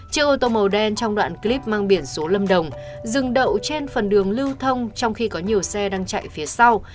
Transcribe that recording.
chiếc ô tô màu đen trong đoạn clip mang biển số lâm đồng dừng đậu trên phần đường lưu thông trong khi có nhiều xe đang chạy phía sau